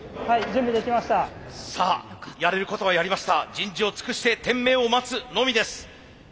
人事を尽くして天命を待つのみです。